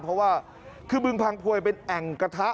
เพราะว่าคือบึงพังพวยเป็นแอ่งกระทะ